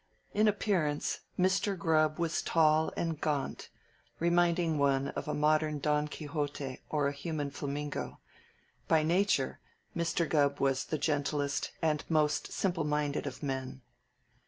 In appearance Mr. Gubb was tall and gaunt, reminding one of a modern Don Quixote or a human flamingo; by nature Mr. Gubb was the gentlest and most simple minded of men.